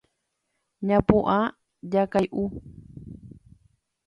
Ñapu'ã jakay'u.